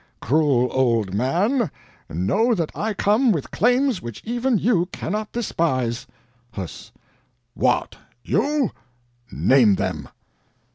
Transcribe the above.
Cruel old man, know that I come with claims which even you cannot despise." Huss: "What, YOU? name them."